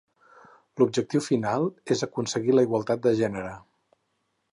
L'objectiu final és aconseguir la igualtat de gènere.